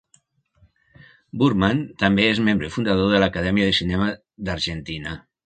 Burman també és membre fundador de l'Acadèmia de Cinema d'Argentina.